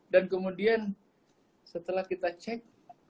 dan kemudian setelah kita cek